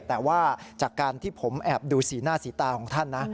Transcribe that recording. แต่ว่าจากการที่ผมแอบดูสีหน้าสีตาของท่านนะ